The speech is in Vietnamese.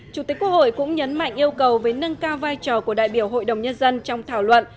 chủ tịch quốc hội cũng nhấn mạnh yêu cầu về nâng cao vai trò của đại biểu hội đồng nhân dân trong thảo luận